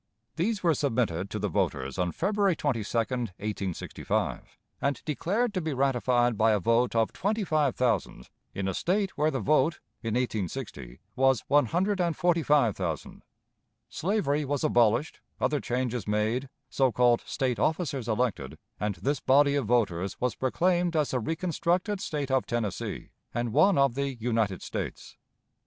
These were submitted to the voters on February 22, 1865, and declared to be ratified by a vote of twenty five thousand, in a State where the vote, in 1860, was one hundred and forty five thousand. Slavery was abolished, other changes made, so called State officers elected, and this body of voters was proclaimed as the reconstructed State of Tennessee, and one of the United States.